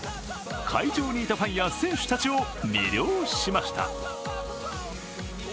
会場にいたファンや選手たちを魅了しました。